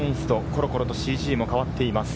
コロコロとＣＧも変わっています。